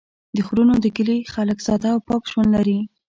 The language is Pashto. د غرونو د کلي خلک ساده او پاک ژوند لري.